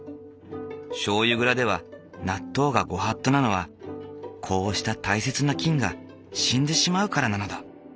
しょうゆ蔵では納豆がご法度なのはこうした大切な菌が死んでしまうからなのだ。